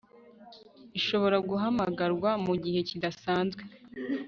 ishobora guhamagarwa mu gihe kidasanzwe